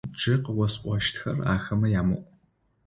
Джы къыосӀощтхэр ахэмэ ямыӀу!